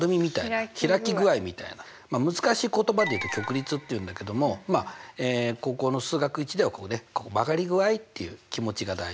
開き具合みたいな難しい言葉で言うと曲率って言うんだけども高校の数学Ⅰでは曲がり具合っていう気持ちが大事でね